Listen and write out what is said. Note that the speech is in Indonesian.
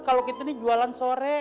kalau kita nih jualan sore